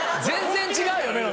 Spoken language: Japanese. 全然違うよ